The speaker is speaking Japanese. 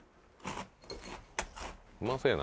うまそうやな。